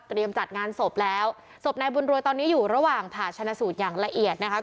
จัดงานศพแล้วศพนายบุญรวยตอนนี้อยู่ระหว่างผ่าชนะสูตรอย่างละเอียดนะคะ